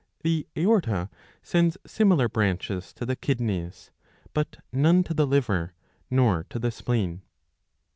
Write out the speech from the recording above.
The aorta sends similar branches to the kidneys, but none to the liver nor to the spleen.